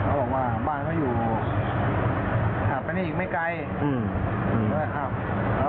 เขาบอกว่าบ้านเขาอยู่ห่างไปนี่อีกไม่ไกลอืม